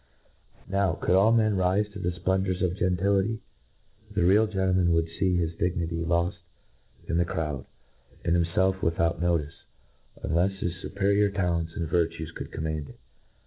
Now, could all men rife to the fplendors of gentility — ^the real gentleman would fee his dignity loft in the crowd, and himfelf, without notice, 'unlefs his fu? perior talents and virtues could command it.